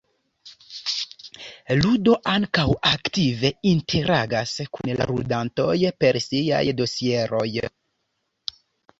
Ludo ankaŭ aktive interagas kun ludantoj per siaj dosieroj.